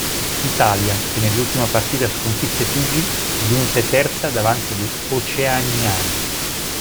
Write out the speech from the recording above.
L'Italia, che nell'ultima partita sconfisse Figi, giunse terza davanti agli oceaniani.